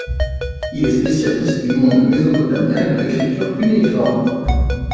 Il est spécialiste du monde mésopotamien et de l'écriture cunéiforme.